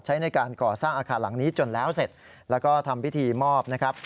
ใช้ในการก่อสร้างอาคารหลังนี้จนแล้วเสร็จแล้วก็ทำพิธีมอบนะครับ